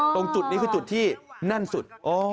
ตรงจุดนี้คือจุดที่แน่นสุด